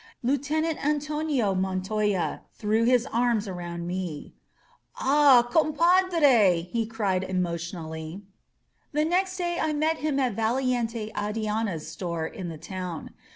Lieutenant Antonio Montoya threw his arms around me. "Ah, compadreT* he cried emotionally. The next day I met him at Valiente Adiana's store' in the town.